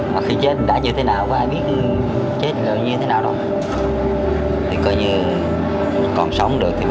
mà khi chết đã như thế nào có ai biết chết gần như thế nào đâu thì coi như còn sống được